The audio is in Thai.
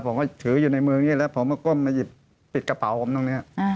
ผมก็ถืออยู่ในมือนี้แล้วผมก็ก้มมาหยิบปิดกระเป๋าผมตรงนี้